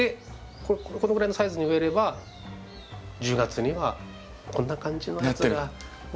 このぐらいのサイズに植えれば１０月にはこんな感じのやつが持ってきて頂けるかなと。